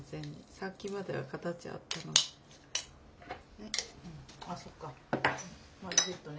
さっきまでは形あったのに。